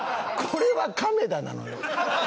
これは亀田なのよ。